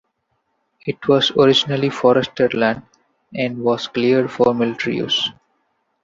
It was originally forested land, and was cleared for military use.